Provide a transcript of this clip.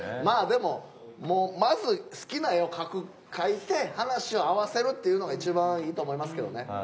まあでももうまず好きな絵を描く描いて話を合わせるっていうのが一番いいと思いますけどね。